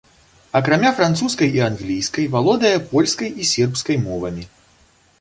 Акрамя французскай і англійскай валодае польскай і сербскай мовамі.